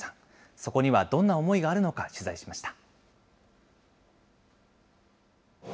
そこにはどんな思いがあるのか取材しました。